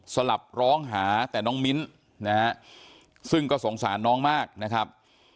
สลับร้องหาแต่น้องมิ้นนะฮะซึ่งก็สงสารน้องมากนะครับ